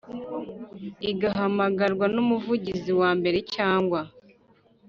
Igahamagarwa n umuvugizi wa mbere cyangwa